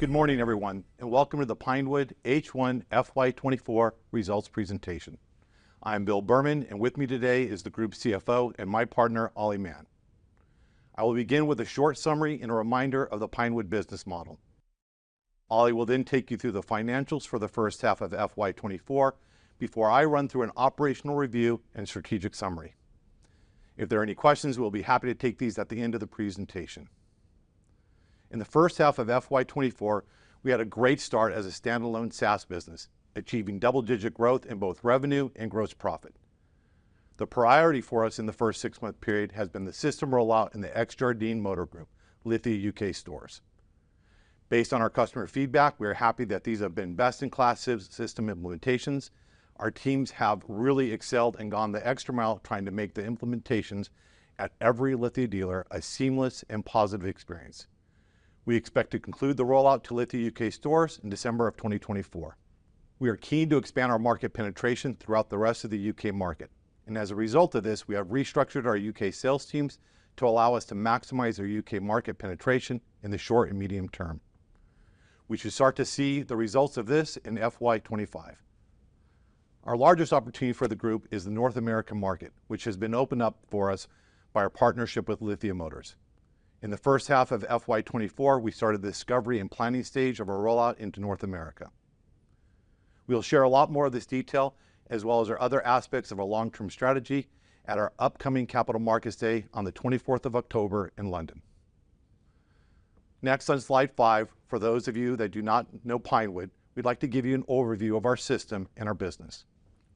Good morning, everyone, and welcome to the Pinewood H1 FY 2024 results presentation. I'm Bill Berman, and with me today is the group CFO and my partner, Ollie Mann. I will begin with a short summary and a reminder of the Pinewood business model. Ollie will then take you through the financials for the first half of FY 2024, before I run through an operational review and strategic summary. If there are any questions, we'll be happy to take these at the end of the presentation. In the first half of FY 2024, we had a great start as a standalone SaaS business, achieving double-digit growth in both revenue and gross profit. The priority for us in the first six-month period has been the system rollout in the ex-Jardine Motors Group, Lithia UK stores. Based on our customer feedback, we are happy that these have been best-in-class system implementations. Our teams have really excelled and gone the extra mile trying to make the implementations at every Lithia dealer a seamless and positive experience. We expect to conclude the rollout to Lithia UK stores in December of 2024. We are keen to expand our market penetration throughout the rest of the U.K. market, and as a result of this, we have restructured our U.K. sales teams to allow us to maximize our U.K. market penetration in the short and medium term. We should start to see the results of this in FY 2025. Our largest opportunity for the group is the North American market, which has been opened up for us by our partnership with Lithia Motors. In the first half of FY 2024, we started the discovery and planning stage of our rollout into North America. We'll share a lot more of this detail, as well as our other aspects of our long-term strategy, at our upcoming Capital Markets Day on the twenty-fourth of October in London. Next, on Slide 5, for those of you that do not know Pinewood, we'd like to give you an overview of our system and our business.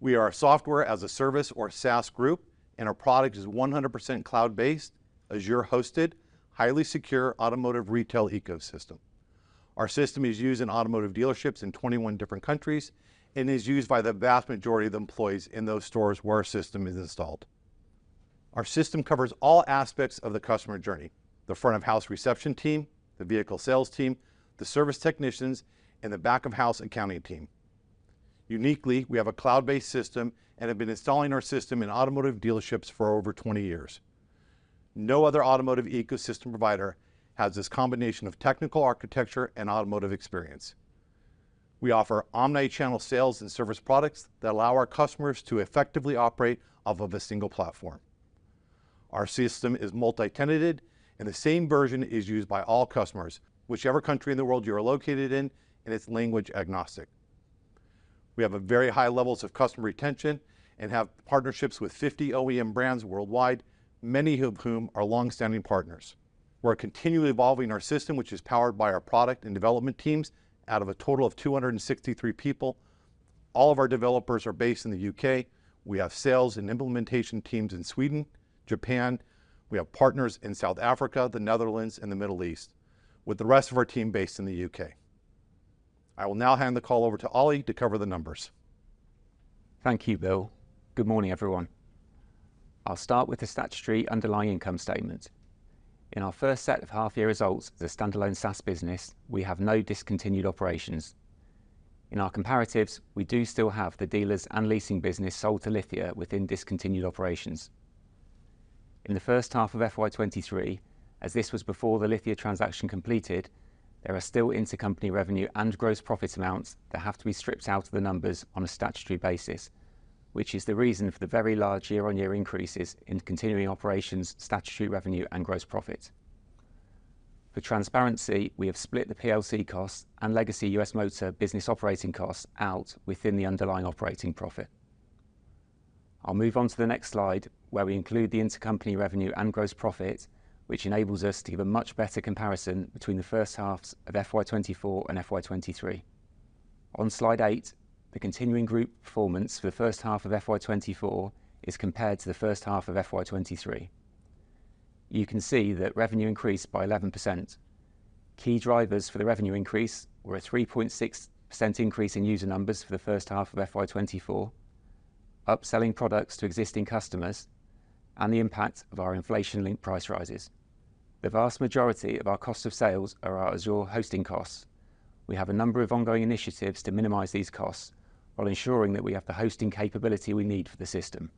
We are a software as a service, or SaaS group, and our product is 100% cloud-based, Azure-hosted, highly secure automotive retail ecosystem. Our system is used in automotive dealerships in 21 different countries and is used by the vast majority of the employees in those stores where our system is installed. Our system covers all aspects of the customer journey: the front of house reception team, the vehicle sales team, the service technicians, and the back of house accounting team. Uniquely, we have a cloud-based system and have been installing our system in automotive dealerships for over 20 years. No other automotive ecosystem provider has this combination of technical architecture and automotive experience. We offer omni-channel sales and service products that allow our customers to effectively operate off of a single platform. Our system is multi-tenanted, and the same version is used by all customers, whichever country in the world you are located in, and it's language-agnostic. We have a very high levels of customer retention and have partnerships with 50 OEM brands worldwide, many of whom are long-standing partners. We're continually evolving our system, which is powered by our product and development teams out of a total of 263 people. All of our developers are based in the U.K. We have sales and implementation teams in Sweden, Japan. We have partners in South Africa, the Netherlands, and the Middle East, with the rest of our team based in the U.K. I will now hand the call over to Ollie to cover the numbers. Thank you, Bill. Good morning, everyone. I'll start with the statutory underlying income statement. In our first set of half-year results, as a standalone SaaS business, we have no discontinued operations. In our comparatives, we do still have the dealers and leasing business sold to Lithia within discontinued operations. In the first half of FY 2023, as this was before the Lithia transaction completed, there are still intercompany revenue and gross profit amounts that have to be stripped out of the numbers on a statutory basis, which is the reason for the very large year-on-year increases in continuing operations, statutory revenue, and gross profit. For transparency, we have split the PLC costs and legacy U.S. Motor business operating costs out within the underlying operating profit. I'll move on to the next slide, where we include the intercompany revenue and gross profit, which enables us to give a much better comparison between the first halves of FY 2024 and FY 2023. On Slide 8, the continuing group performance for the first half of FY 2024 is compared to the first half of FY 2023. You can see that revenue increased by 11%. Key drivers for the revenue increase were a 3.6 increase in user numbers for the first half of FY 2024, upselling products to existing customers, and the impact of our inflation-linked price rises. The vast majority of our cost of sales are our Azure hosting costs. We have a number of ongoing initiatives to minimize these costs while ensuring that we have the hosting capability we need for the system.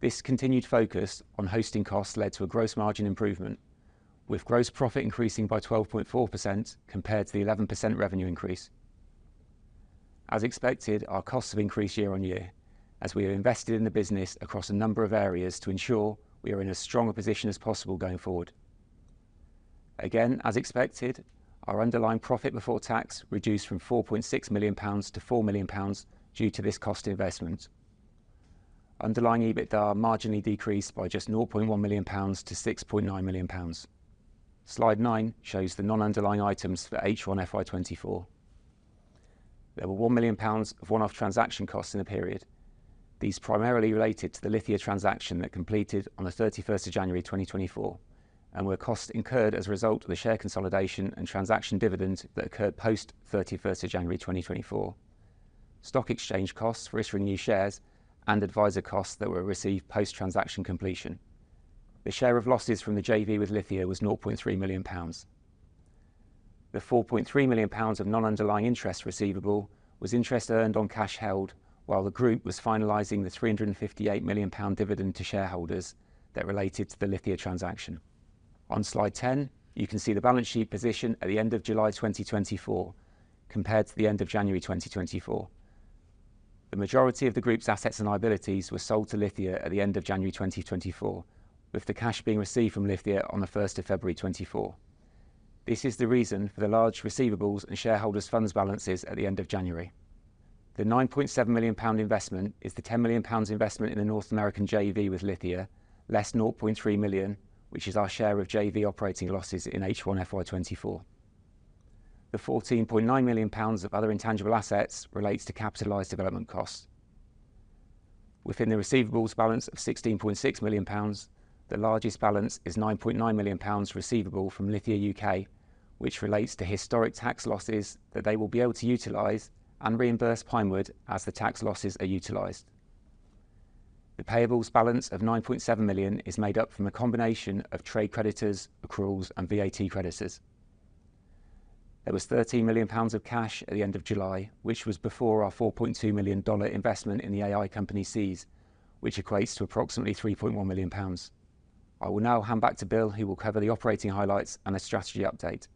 This continued focus on hosting costs led to a gross margin improvement, with gross profit increasing by 12.4% compared to the 11% revenue increase. As expected, our costs have increased year on year, as we have invested in the business across a number of areas to ensure we are in as strong a position as possible going forward. Again, as expected, our underlying profit before tax reduced from 4.6 million pounds to 4 million pounds due to this cost investment. Underlying EBITDA marginally decreased by just 0.1 million pounds to 6.9 million pounds. Slide 9 shows the non-underlying items for H1 FY 2024. There were 1 million pounds of one-off transaction costs in the period. These primarily related to the Lithia transaction that completed on the thirty-first of January, 2024, and were costs incurred as a result of the share consolidation and transaction dividend that occurred post thirty-first of January, 2024. Stock exchange costs for issuing new shares and advisor costs that were received post-transaction completion. The share of losses from the JV with Lithia was 0.3 million pounds. The 4.3 million pounds of non-underlying interest receivable was interest earned on cash held, while the group was finalizing the 358 million pound dividend to shareholders that related to the Lithia transaction. On Slide 10, you can see the balance sheet position at the end of July 2024, compared to the end of January 2024. The majority of the group's assets and liabilities were sold to Lithia at the end of January 2024, with the cash being received from Lithia on the first of February 2024. This is the reason for the large receivables and shareholders' funds balances at the end of January. The 9.7 million pound investment is the 10 million pounds investment in the North American JV with Lithia, less 0.3 million, which is our share of JV operating losses in H1 FY 2024. The 14.9 million pounds of other intangible assets relates to capitalized development costs. Within the receivables balance of 16.6 million pounds, the largest balance is 9.9 million pounds receivable from Lithia UK, which relates to historic tax losses that they will be able to utilize and reimburse Pinewood as the tax losses are utilized. The payables balance of 9.7 million is made up from a combination of trade creditors, accruals, and VAT creditors. There was 13 million pounds of cash at the end of July, which was before our $4.2 million investment in the AI company, Seez, which equates to approximately 3.1 million pounds. I will now hand back to Bill, who will cover the operating highlights and a strategy update.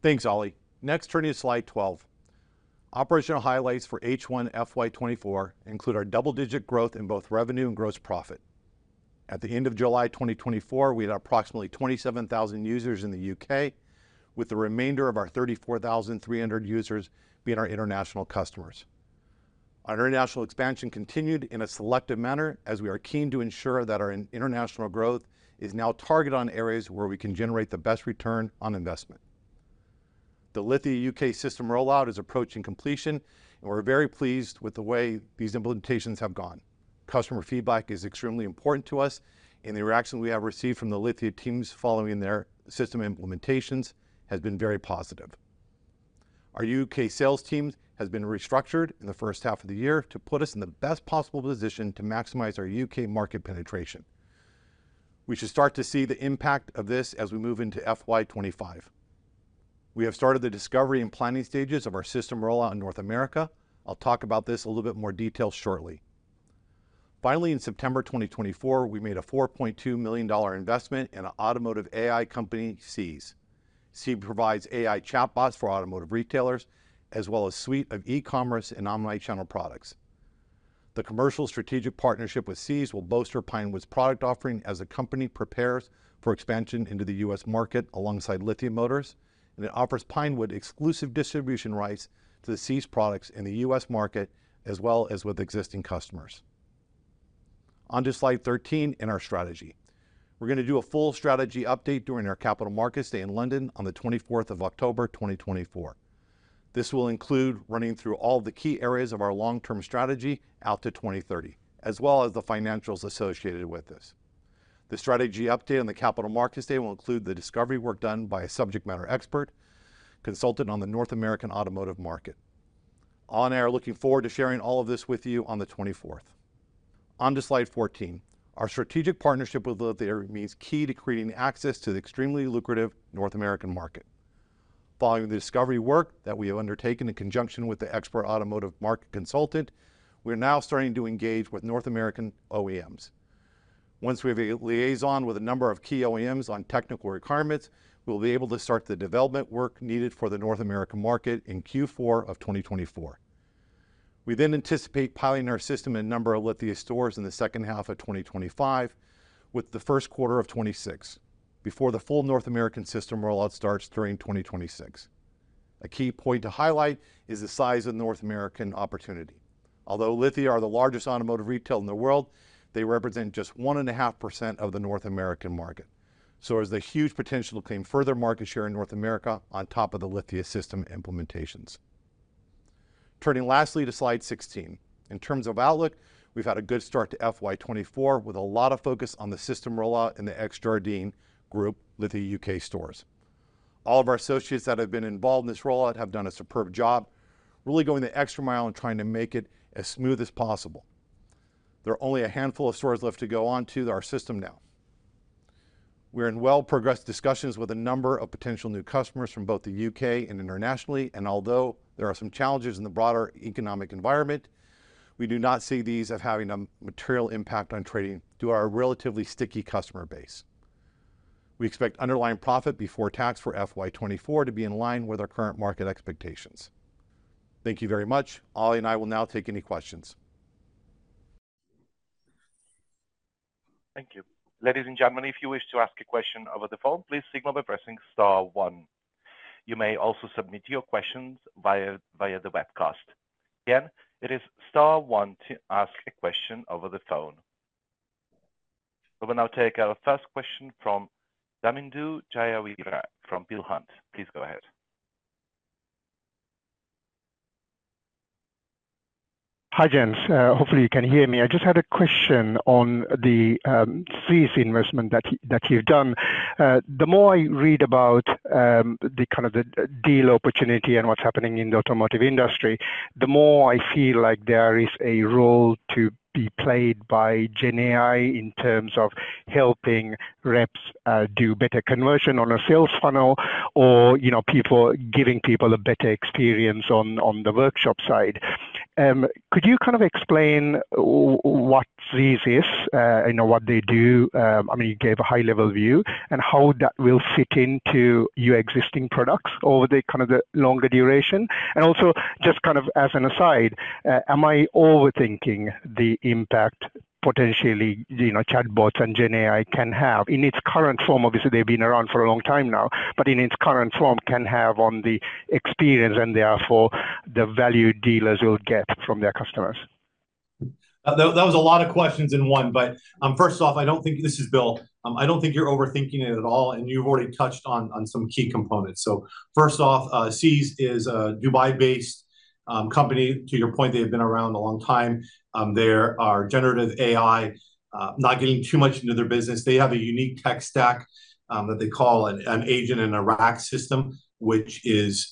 Thanks, Ollie. Next, turning to Slide 12. Operational highlights for H1 FY 2024 include our double-digit growth in both revenue and gross profit. At the end of July 2024, we had approximately 27,000 users in the U.K., with the remainder of our 34,300 users being our international customers. Our international expansion continued in a selective manner, as we are keen to ensure that our international growth is now targeted on areas where we can generate the best return on investment. The Lithia UK system rollout is approaching completion, and we're very pleased with the way these implementations have gone. Customer feedback is extremely important to us, and the reaction we have received from the Lithia teams following their system implementations has been very positive. Our U.K. sales team has been restructured in the first half of the year to put us in the best possible position to maximize our U.K. market penetration. We should start to see the impact of this as we move into FY 2025. We have started the discovery and planning stages of our system rollout in North America. I'll talk about this in a little bit more detail shortly. Finally, in September 2024, we made a $4.2 million investment in an automotive AI company, Seez. Seez provides AI chatbots for automotive retailers, as well as a suite of e-commerce and omnichannel products. The commercial strategic partnership with Seez will bolster Pinewood's product offering as the company prepares for expansion into the U.S. market alongside Lithia Motors, and it offers Pinewood exclusive distribution rights to the Seez products in the U.S. market, as well as with existing customers. On to Slide 13 and our strategy. We're gonna do a full strategy update during our Capital Markets Day in London on the twenty-fourth of October 2024. This will include running through all the key areas of our long-term strategy out to 2030, as well as the financials associated with this. The strategy update on the Capital Markets Day will include the discovery work done by a subject matter expert consultant on the North American automotive market. I'm looking forward to sharing all of this with you on the twenty-fourth. On to Slide 14. Our strategic partnership with Lithia remains key to creating access to the extremely lucrative North American market. Following the discovery work that we have undertaken in conjunction with the expert automotive market consultant, we are now starting to engage with North American OEMs. Once we have a liaison with a number of key OEMs on technical requirements, we'll be able to start the development work needed for the North American market in Q4 of 2024. We then anticipate piloting our system in a number of Lithia stores in the second half of 2025, with the first quarter of 2026, before the full North American system rollout starts during 2026. A key point to highlight is the size of the North American opportunity. Although Lithia are the largest automotive retailer in the world, they represent just 1.5% of the North American market. There's a huge potential to claim further market share in North America on top of the Lithia system implementations. Turning lastly to Slide 16. In terms of outlook, we've had a good start to FY 2024, with a lot of focus on the system rollout in the ex-Jardine Motors Group, Lithia UK stores. All of our associates that have been involved in this rollout have done a superb job, really going the extra mile and trying to make it as smooth as possible. There are only a handful of stores left to go onto our system now. We're in well-progressed discussions with a number of potential new customers from both the U.K. and internationally, and although there are some challenges in the broader economic environment, we do not see these as having a material impact on trading through our relatively sticky customer base. We expect underlying profit before tax for FY 2024 to be in line with our current market expectations. Thank you very much. Ollie and I will now take any questions. Thank you. Ladies and gentlemen, if you wish to ask a question over the phone, please signal by pressing star one. You may also submit your questions via the webcast. Again, it is star one to ask a question over the phone. We will now take our first question from Damindu Jayaweera from Peel Hunt. Please go ahead. Hi, gents. Hopefully, you can hear me. I just had a question on the Seez investment that you've done. The more I read about the kind of deal opportunity and what's happening in the automotive industry, the more I feel like there is a role to be played by GenAI in terms of helping reps do better conversion on a sales funnel or, you know, giving people a better experience on the workshop side. Could you kind of explain what Seez is and what they do? I mean, you gave a high-level view, and how that will fit into your existing products over the kind of the longer duration? And also, just kind of as an aside, am I overthinking the impact potentially, you know, chatbots and GenAI can have? In its current form, obviously, they've been around for a long time now, but in its current form, can have on the experience, and therefore, the value dealers will get from their customers? That was a lot of questions in one, but first off, I don't think. This is Bill. I don't think you're overthinking it at all, and you've already touched on some key components. So first off, Seez is a Dubai-based company. To your point, they have been around a long time. Their, our generative AI, not getting too much into their business, they have a unique tech stack that they call an agent and a RAG system, which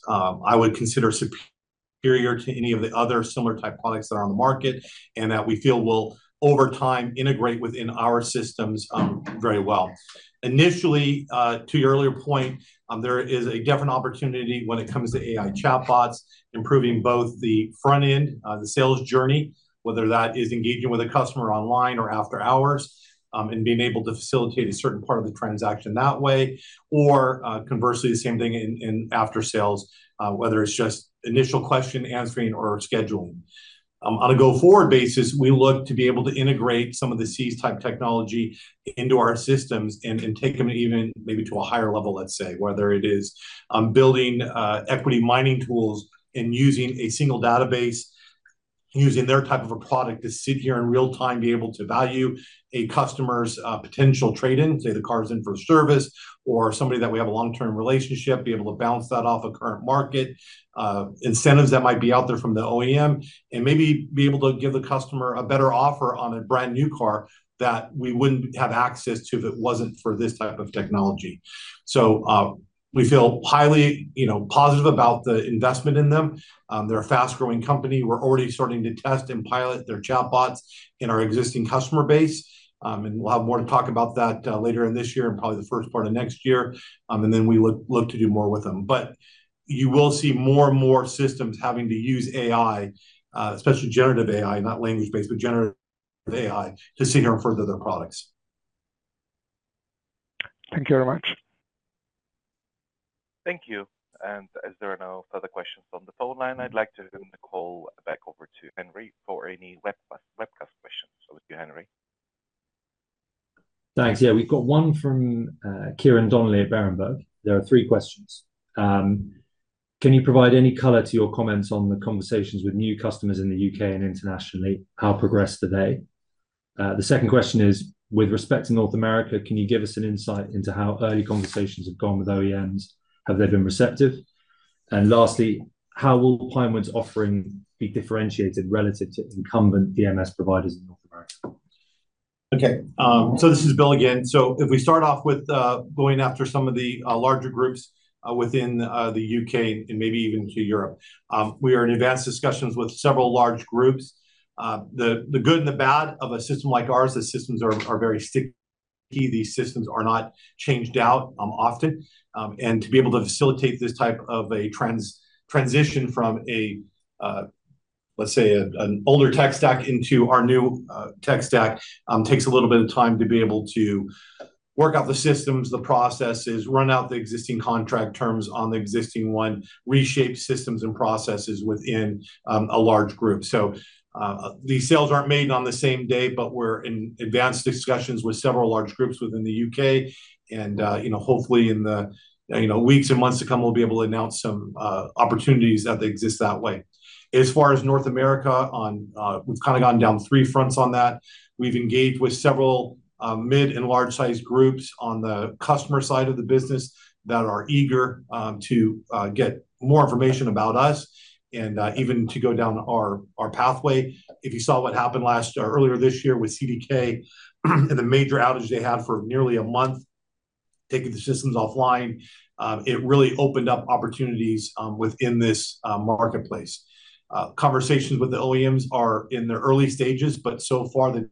I would consider superior to any of the other similar type products that are on the market, and that we feel will, over time, integrate within our systems very well. Initially, to your earlier point, there is a definite opportunity when it comes to AI chatbots, improving both the front end, the sales journey, whether that is engaging with a customer online or after hours, and being able to facilitate a certain part of the transaction that way, or, conversely, the same thing in after sales, whether it's just initial question answering or scheduling. On a go-forward basis, we look to be able to integrate some of the Seez-type technology into our systems and take them even maybe to a higher level, let's say. Whether it is building equity mining tools and using a single database, using their type of a product to sit here in real time, be able to value a customer's potential trade-in, say the car's in for a service, or somebody that we have a long-term relationship, be able to balance that off of current market incentives that might be out there from the OEM, and maybe be able to give the customer a better offer on a brand-new car that we wouldn't have access to if it wasn't for this type of technology. So, we feel highly, you know, positive about the investment in them. They're a fast-growing company. We're already starting to test and pilot their chatbots in our existing customer base. And we'll have more to talk about that later in this year and probably the first part of next year. And then we would look to do more with them. But you will see more and more systems having to use AI, especially generative AI, not language-based, but generative AI, to sit here and further their products. Thank you very much. Thank you. And as there are no further questions on the phone line, I'd like to turn the call back over to Henry for any webcast, webcast questions. So it's you, Henry. Thanks. Yeah, we've got one from Kieran Donnelly at Berenberg. There are three questions. Can you provide any color to your comments on the conversations with new customers in the U.K. and internationally? How progressed are they? The second question is, with respect to North America, can you give us an insight into how early conversations have gone with OEMs? Have they been receptive? And lastly, how will Pinewood's offering be differentiated relative to incumbent DMS providers in North America? Okay, so this is Bill again. So if we start off with going after some of the larger groups within the U.K. and maybe even to Europe. We are in advanced discussions with several large groups. The good and the bad of a system like ours, the systems are very sticky. These systems are not changed out often. And to be able to facilitate this type of a transition from a let's say an older tech stack into our new tech stack takes a little bit of time to be able to work out the systems, the processes, run out the existing contract terms on the existing one, reshape systems and processes within a large group. So, these sales aren't made on the same day, but we're in advanced discussions with several large groups within the U.K., and you know, hopefully in the weeks and months to come, we'll be able to announce some opportunities that they exist that way. As far as North America, we've kind of gotten down three fronts on that. We've engaged with several mid and large-sized groups on the customer side of the business that are eager to get more information about us and even to go down our pathway. If you saw what happened last year, earlier this year with CDK, and the major outage they had for nearly a month, taking the systems offline, it really opened up opportunities within this marketplace. Conversations with the OEMs are in the early stages, but so far they've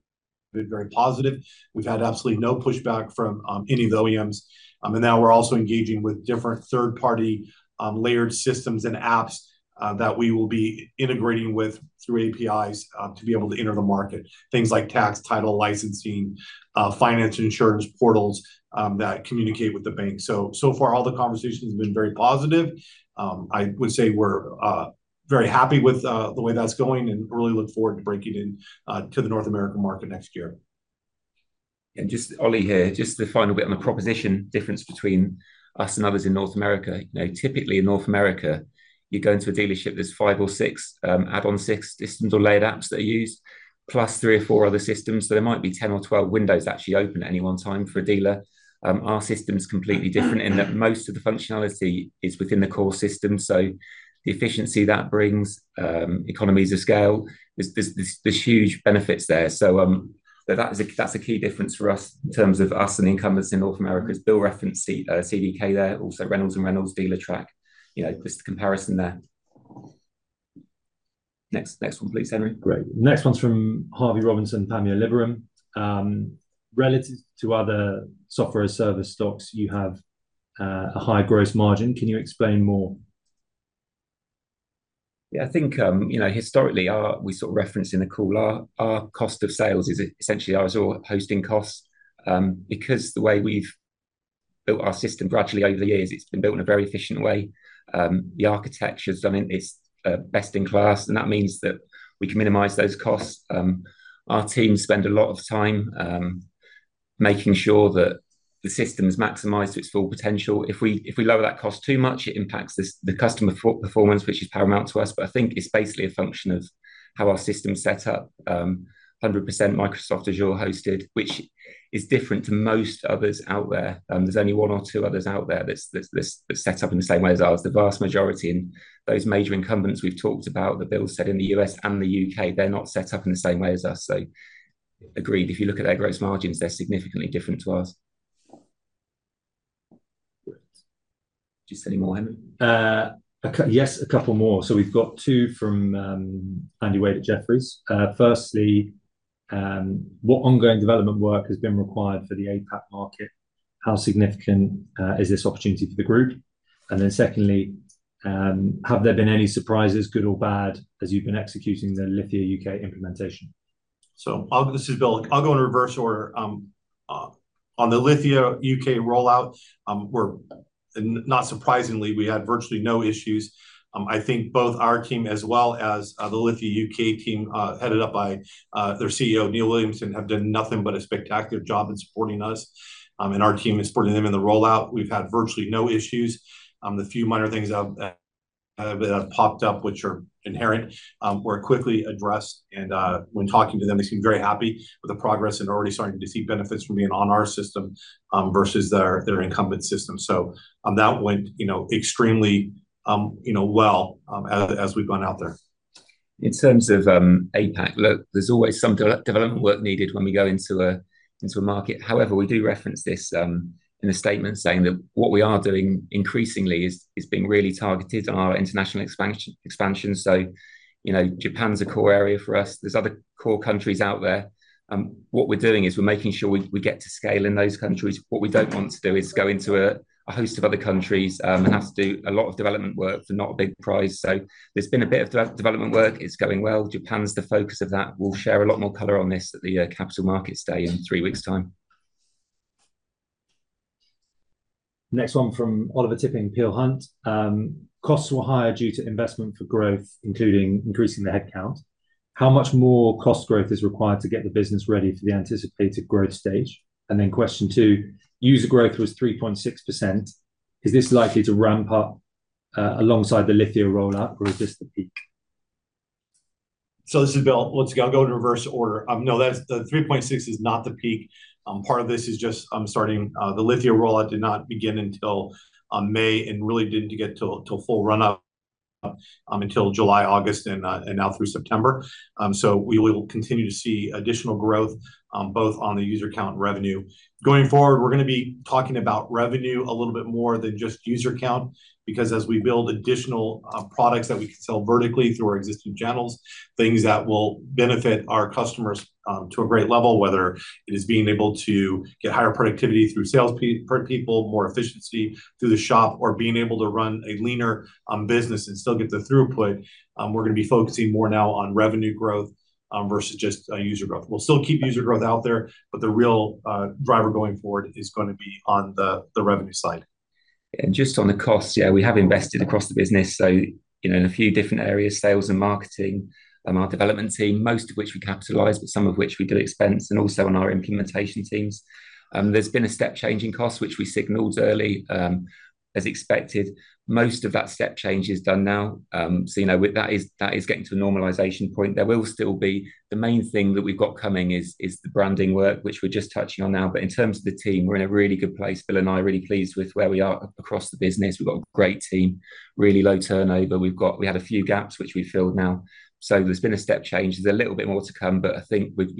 been very positive. We've had absolutely no pushback from any of the OEMs, and now we're also engaging with different third-party layered systems and apps that we will be integrating with through APIs to be able to enter the market. Things like tax, title, licensing, finance and insurance portals that communicate with the bank. So far, all the conversations have been very positive. I would say we're very happy with the way that's going and really look forward to breaking in to the North American market next year. And just, Ollie here. Just the final bit on the proposition difference between us and others in North America. You know, typically in North America, you go into a dealership, there's five or six add-on systems or layered apps that are used, plus three or four other systems. So there might be 10 or 12 windows actually open at any one time for a dealer. Our system is completely different in that most of the functionality is within the core system, so the efficiency that brings, economies of scale, there's huge benefits there. So, that is a, that's a key difference for us in terms of us and the incumbents in North America, as Bill referenced, CDK there, also Reynolds and Reynolds, Dealertrack, you know, just a comparison there. Next one, please, Henry. Great. Next one's from Harvey Robinson, Panmure Gordon. Relative to other software service stocks, you have a high gross margin. Can you explain more? Yeah, I think, you know, historically, we sort of referenced in the call, our cost of sales is essentially our hosting costs. Because the way we've built our system gradually over the years. It's been built in a very efficient way. The architecture is done, it's best in class, and that means that we can minimize those costs. Our teams spend a lot of time making sure that the system is maximized to its full potential. If we lower that cost too much, it impacts the customer performance, which is paramount to us. But I think it's basically a function of how our system's set up. 100% Microsoft Azure hosted, which is different to most others out there. There's only one or two others out there that's set up in the same way as ours. The vast majority in those major incumbents we've talked about, that Bill said in the U.S. and the U.K., they're not set up in the same way as us. So agreed, if you look at their gross margins, they're significantly different to ours. Do you see any more, Henry? Yes, a couple more. So we've got two from Andy Wade at Jefferies. Firstly, what ongoing development work has been required for the APAC market? How significant is this opportunity for the group? And then secondly, have there been any surprises, good or bad, as you've been executing the Lithia UK implementation? This is Bill. I'll go in reverse order. On the Lithia UK rollout, and not surprisingly, we had virtually no issues. I think both our team as well as the Lithia UK team, headed up by their CEO, Neil Williamson, have done nothing but a spectacular job in supporting us, and our team is supporting them in the rollout. We've had virtually no issues. The few minor things that have popped up, which are inherent, were quickly addressed. When talking to them, they seem very happy with the progress and are already starting to see benefits from being on our system versus their incumbent system. That went, you know, extremely, you know, well, as we've gone out there. In terms of APAC, look, there's always some development work needed when we go into a market. However, we do reference this in a statement saying that what we are doing increasingly is being really targeted on our international expansion. So, you know, Japan's a core area for us. There's other core countries out there. What we're doing is we're making sure we get to scale in those countries. What we don't want to do is go into a host of other countries and have to do a lot of development work for not a big prize. So there's been a bit of development work. It's going well. Japan's the focus of that. We'll share a lot more color on this at the Capital Markets Day in three weeks' time. Next one from Oliver Tipping, Peel Hunt. Costs were higher due to investment for growth, including increasing the headcount. How much more cost growth is required to get the business ready for the anticipated growth stage? And then question two, user growth was 3.6%. Is this likely to ramp up alongside the Lithia rollout, or is this the peak? This is Bill. Once again, I'll go in reverse order. No, that's the three point six is not the peak. Part of this is just starting, the Lithia rollout did not begin until May, and really didn't get till full run up until July, August, and now through September, so we will continue to see additional growth both on the user count and revenue. Going forward, we're gonna be talking about revenue a little bit more than just user count, because as we build additional products that we can sell vertically through our existing channels, things that will benefit our customers to a great level, whether it is being able to get higher productivity through sales people, more efficiency through the shop, or being able to run a leaner business and still get the throughput, we're gonna be focusing more now on revenue growth versus just user growth. We'll still keep user growth out there, but the real driver going forward is gonna be on the revenue side. Just on the cost, yeah, we have invested across the business, so, you know, in a few different areas, sales and marketing, our development team, most of which we capitalize, but some of which we do expense, and also on our implementation teams. There's been a step change in cost, which we signaled early, as expected. Most of that step change is done now. So, you know, with that, that is getting to a normalization point. There will still be the main thing that we've got coming is the branding work, which we're just touching on now. But in terms of the team, we're in a really good place. Bill and I are really pleased with where we are across the business. We've got a great team, really low turnover. We've got. We had a few gaps, which we've filled now. There's been a step change. There's a little bit more to come, but I think we've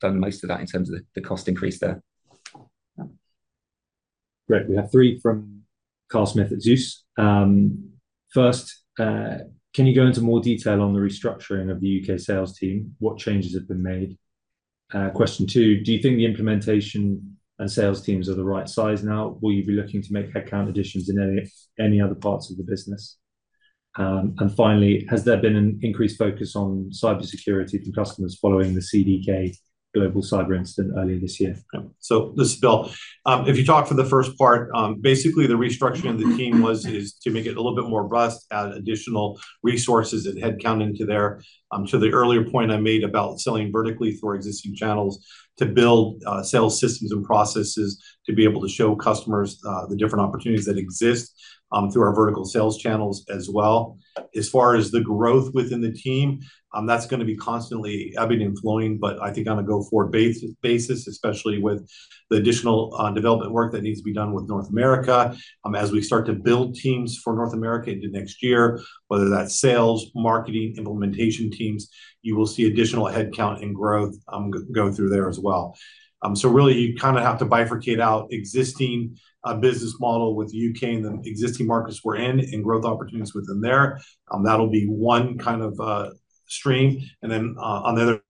done most of that in terms of the cost increase there. Great. We have three from Carl Smith at Zeus. First, can you go into more detail on the restructuring of the U.K. sales team? What changes have been made? Question two, do you think the implementation and sales teams are the right size now? Will you be looking to make headcount additions in any other parts of the business? And finally, has there been an increased focus on cybersecurity from customers following the CDK Global cyber incident earlier this year? This is Bill. If you talk for the first part, basically, the restructuring of the team is to make it a little bit more robust, add additional resources and headcount into there. To the earlier point I made about selling vertically through our existing channels, to build sales systems and processes, to be able to show customers the different opportunities that exist through our vertical sales channels as well. As far as the growth within the team, that's gonna be constantly ebbing and flowing, but I think on a go-forward basis, especially with the additional development work that needs to be done with North America, as we start to build teams for North America into next year, whether that's sales, marketing, implementation teams, you will see additional headcount and growth go through there as well. So really, you kind of have to bifurcate out existing business model with the U.K. and the existing markets we're in, and growth opportunities within there. That'll be one kind of stream. And then on the other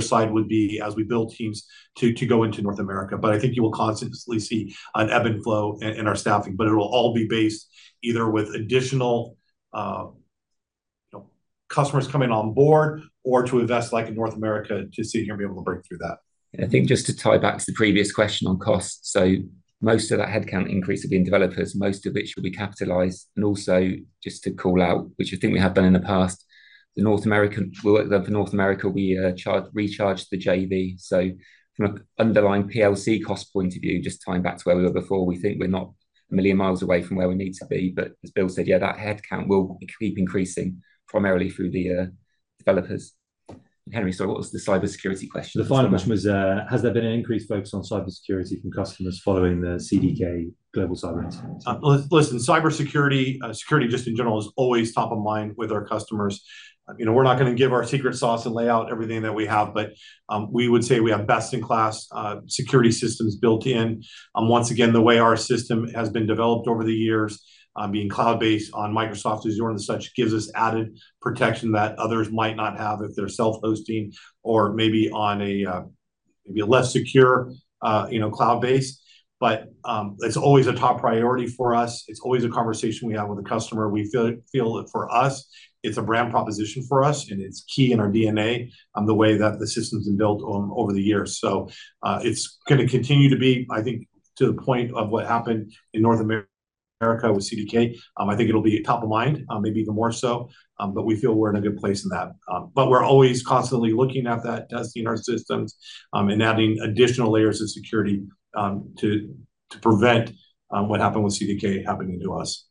side would be as we build teams to go into North America. But I think you will constantly see an ebb and flow in our staffing, but it'll all be based either with additional, you know, customers coming on board or to invest, like in North America, to see if you're gonna be able to break through that. I think just to tie back to the previous question on cost, so most of that headcount increase will be in developers, most of which will be capitalized. And also, just to call out, which I think we have done in the past, the North American, well, for North America, we, recharged the JV. So from an underlying PLC cost point of view, just tying back to where we were before, we think we're not a million miles away from where we need to be. But as Bill said, yeah, that headcount will keep increasing, primarily through the, developers. Henry, sorry, what was the cybersecurity question? The final question was, "Has there been an increased focus on cybersecurity from customers following the CDK Global cyber incident? Listen, cybersecurity, security just in general, is always top of mind with our customers. You know, we're not gonna give our secret sauce and lay out everything that we have, but, we would say we have best-in-class, security systems built in. Once again, the way our system has been developed over the years, being cloud-based on Microsoft Azure and such, gives us added protection that others might not have if they're self-hosting, or maybe on a less secure, you know, cloud base. But, it's always a top priority for us. It's always a conversation we have with the customer. We feel that for us, it's a brand proposition for us, and it's key in our DNA, the way that the system's been built on over the years. So, it's gonna continue to be, I think, to the point of what happened in North America with CDK. I think it'll be top of mind, maybe even more so. But we feel we're in a good place in that. But we're always constantly looking at that, testing our systems, and adding additional layers of security, to prevent what happened with CDK happening to us.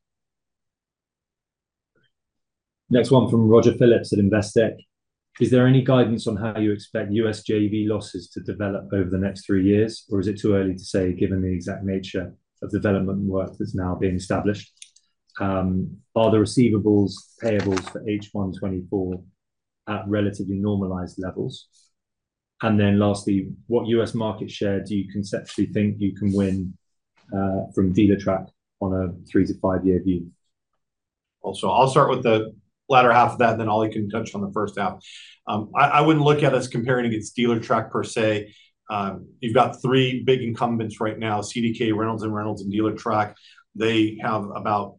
Next one from Roger Phillips at Investec. "Is there any guidance on how you expect US JV losses to develop over the next three years, or is it too early to say, given the exact nature of development work that's now being established? Are the receivables payables for H1 2024 at relatively normalized levels? And then lastly, what US market share do you conceptually think you can win from Dealertrack on a three-to-five year view? I'll start with the latter half of that, then Ollie can touch on the first half. I wouldn't look at us comparing against Dealertrack per se. You've got three big incumbents right now, CDK, Reynolds and Reynolds, and Dealertrack. They have about,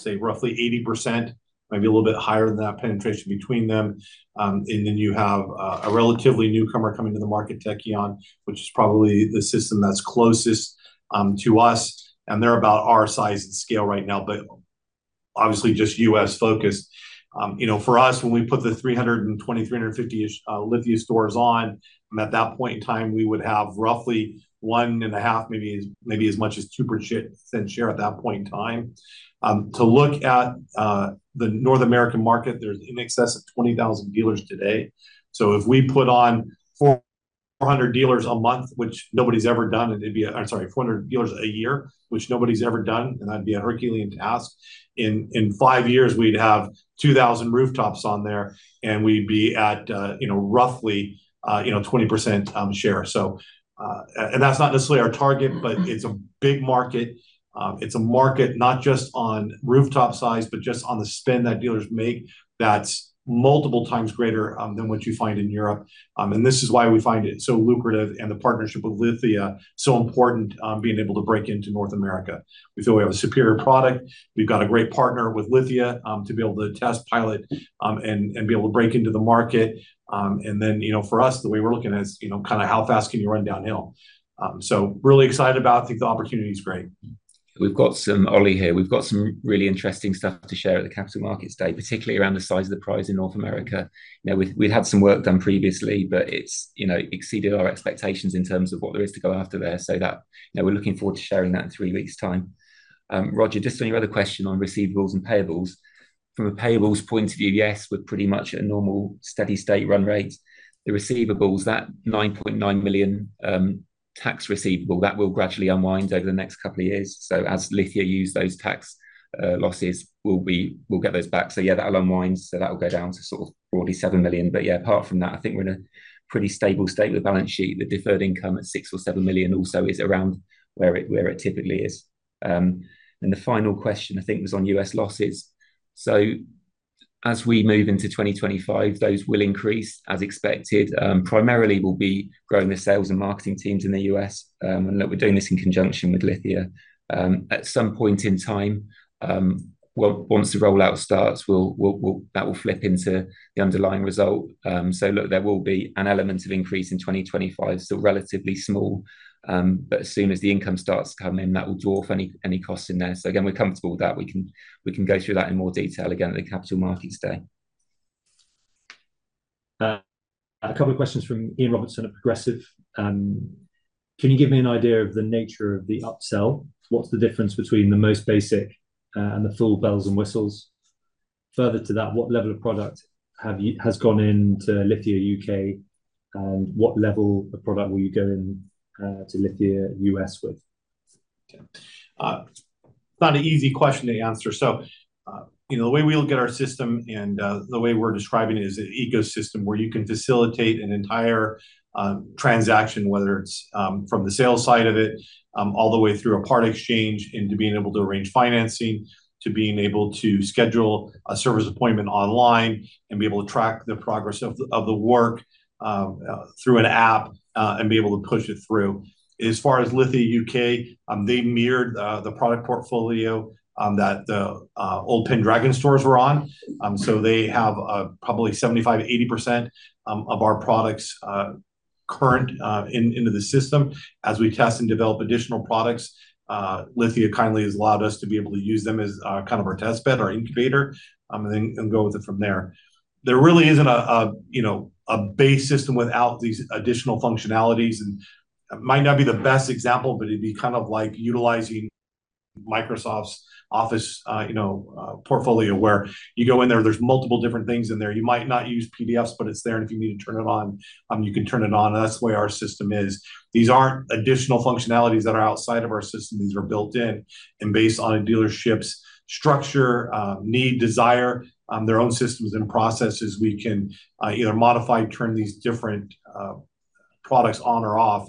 say, roughly 80%, maybe a little bit higher than that, penetration between them. And then you have a relatively newcomer coming to the market, Tekion, which is probably the system that's closest to us, and they're about our size and scale right now, but obviously just US-focused. You know, for us, when we put the 320, 350-ish Lithia stores on, at that point in time, we would have roughly 1.5%, maybe as much as 2% share at that point in time. To look at the North American market, there's in excess of 20,000 dealers today. So if we put on 400 dealers a month, which nobody's ever done, it'd be a Herculean task. I'm sorry, 400 dealers a year, which nobody's ever done, and that'd be a Herculean task. In five years, we'd have 2,000 rooftops on there, and we'd be at, you know, roughly, you know, 20% share. So, and that's not necessarily our target, but it's a big market. It's a market not just on rooftop size, but just on the spend that dealers make, that's multiple times greater than what you find in Europe. And this is why we find it so lucrative and the partnership with Lithia so important, being able to break into North America. We feel we have a superior product. We've got a great partner with Lithia, to be able to test, pilot, and be able to break into the market. And then, you know, for us, the way we're looking is, you know, kinda how fast can you run downhill? So really excited about, think the opportunity's great. We've got some Ollie here. We've got some really interesting stuff to share at the Capital Markets Day, particularly around the size of the prize in North America. You know, we'd had some work done previously, but it's you know exceeded our expectations in terms of what there is to go after there. So that you know we're looking forward to sharing that in three weeks' time. Roger, just on your other question on receivables and payables, from a payables point of view, yes, we're pretty much at a normal steady state run rate. The receivables, that 9.9 million tax receivable, that will gradually unwind over the next couple of years. So as Lithia use those tax losses, we'll get those back. So yeah, that'll unwind, so that will go down to sort of broadly 7 million. But yeah, apart from that, I think we're in a pretty stable state with the balance sheet. The deferred income at 6-7 million also is around where it typically is. And the final question, I think, was on U.S. losses. So as we move into twenty twenty-five, those will increase as expected. Primarily, we'll be growing the sales and marketing teams in the U.S., and look, we're doing this in conjunction with Lithia. At some point in time, well, once the rollout starts, we'll, that will flip into the underlying result. So look, there will be an element of increase in twenty twenty-five, still relatively small, but as soon as the income starts coming, that will dwarf any costs in there. So again, we're comfortable with that. We can go through that in more detail again at the Capital Markets Day. A couple of questions from Ian Robertson at Progressive. "Can you give me an idea of the nature of the upsell? What's the difference between the most basic and the full bells and whistles? Further to that, what level of product has gone into Lithia UK, and what level of product will you go in to Lithia US with? Okay. Not an easy question to answer. So, you know, the way we look at our system, and the way we're describing it, is an ecosystem where you can facilitate an entire transaction, whether it's from the sales side of it, all the way through a part exchange, into being able to arrange financing, to being able to schedule a service appointment online, and be able to track the progress of the work through an app, and be able to push it through. As far as Lithia UK, they mirrored the product portfolio that the old Pendragon stores were on. So they have probably 75%-80% of our products currently in the system. As we test and develop additional products, Lithia kindly has allowed us to be able to use them as kind of our test bed, our incubator, and then go with it from there. There really isn't, you know, a base system without these additional functionalities, and it might not be the best example, but it'd be kind of like utilizing Microsoft Office, you know, portfolio, where you go in there, there's multiple different things in there. You might not use PDFs, but it's there, and if you need to turn it on, you can turn it on. That's the way our system is. These aren't additional functionalities that are outside of our system. These are built in, and based on a dealership's structure, need, desire, their own systems and processes, we can either modify, turn these different products on or off,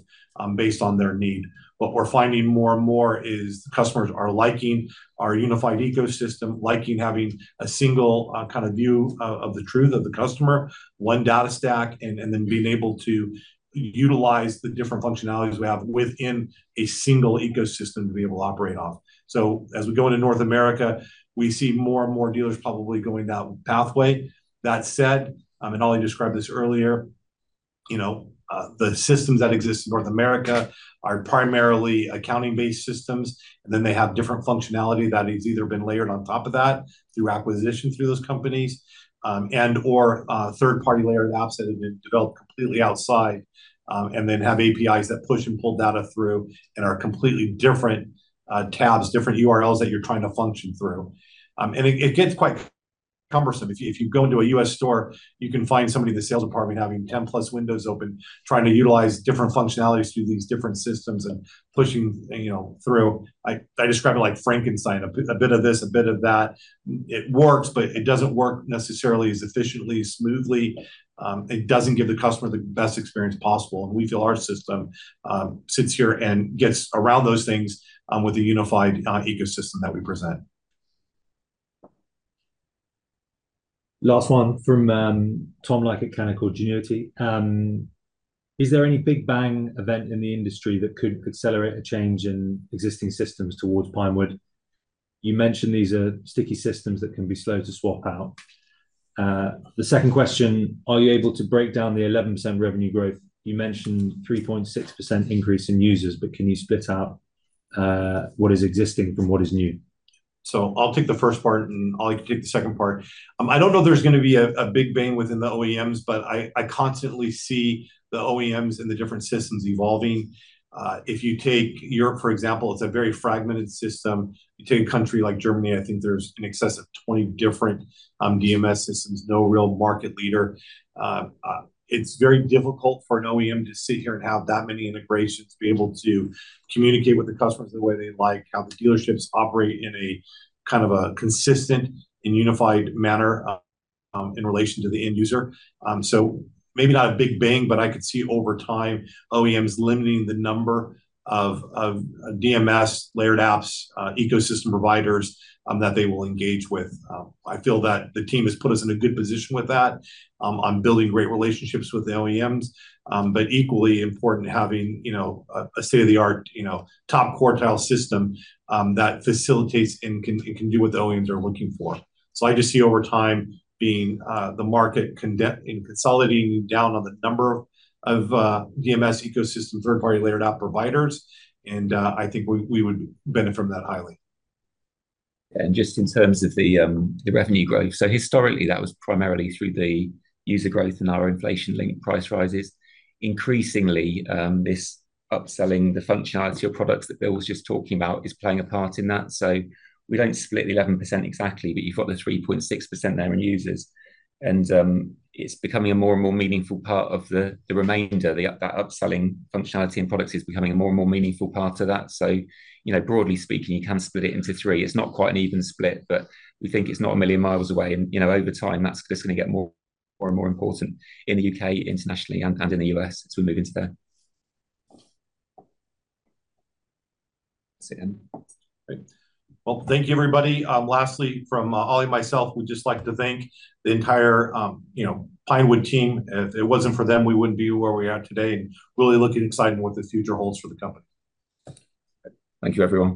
based on their need. What we're finding more and more is customers are liking our unified ecosystem, liking having a single, kind of view of the truth of the customer, one data stack, and then being able to utilize the different functionalities we have within a single ecosystem to be able to operate off. So as we go into North America, we see more and more dealers probably going that pathway. That said, and Ollie described this earlier, you know, the systems that exist in North America are primarily accounting-based systems, and then they have different functionality that has either been layered on top of that through acquisition, through those companies, and/or, third-party layered apps that have been developed completely outside, and then have APIs that push and pull data through and are completely different, tabs, different URLs that you're trying to function through. And it gets quite cumbersome. If you go into a U.S. store, you can find somebody in the sales department having ten plus windows open, trying to utilize different functionalities through these different systems and pushing, you know, through. I describe it like Frankenstein, a bit of this, a bit of that. It works, but it doesn't work necessarily as efficiently, smoothly. It doesn't give the customer the best experience possible, and we feel our system sits here and gets around those things with a unified ecosystem that we present. Last one from Tom Like at Canaccord Genuity. "Is there any big bang event in the industry that could accelerate a change in existing systems towards Pinewood? You mentioned these are sticky systems that can be slow to swap out." The second question: "Are you able to break down the 11% revenue growth? You mentioned 3.6% increase in users, but can you split out what is existing from what is new? So I'll take the first part, and Ollie can take the second part. I don't know there's gonna be a big bang within the OEMs, but I constantly see the OEMs and the different systems evolving. If you take Europe, for example, it's a very fragmented system. You take a country like Germany. I think there's in excess of 20 different DMS systems, no real market leader. It's very difficult for an OEM to sit here and have that many integrations, be able to communicate with the customers the way they like, how the dealerships operate in a kind of a consistent and unified manner, in relation to the end user. So maybe not a big bang, but I could see over time OEMs limiting the number of DMS, layered apps, ecosystem providers that they will engage with. I feel that the team has put us in a good position with that, on building great relationships with the OEMs. But equally important, having, you know, a state-of-the-art, you know, top quartile system that facilitates and can do what the OEMs are looking for. So I just see over time being the market consolidating down on the number of DMS ecosystem, third-party layered app providers, and I think we would benefit from that highly. And just in terms of the revenue growth, so historically, that was primarily through the user growth and our inflation-linked price rises. Increasingly, this upselling, the functionality of products that Bill was just talking about, is playing a part in that. So we don't split the 11% exactly, but you've got the 3.6% there in users, and, it's becoming a more and more meaningful part of the, the remainder, that upselling functionality and products is becoming a more and more meaningful part of that. So, you know, broadly speaking, you can split it into three. It's not quite an even split, but we think it's not a million miles away, and, you know, over time, that's just gonna get more and more important in the U.K., internationally, and, and in the U.S. as we move into there. That's it. Great. Well, thank you, everybody. Lastly, from Ollie and myself, we'd just like to thank the entire, you know, Pinewood team. If it wasn't for them, we wouldn't be where we are today, and really looking excited what the future holds for the company. Thank you, everyone.